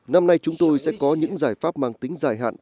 năm nay chúng tôi sẽ có những giải pháp mang tính dài hạn